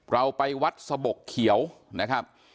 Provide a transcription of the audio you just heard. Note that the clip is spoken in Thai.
เราไปวัดสะบกเขียวนะครับ